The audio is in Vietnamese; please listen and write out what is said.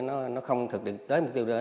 nó không thực thực tới mục tiêu đó